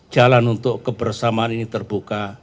jalan untuk kebersamaan ini terbuka